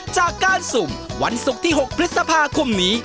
จากการสุ่มวันศุกร์ที่๖พฤษภาคมนี้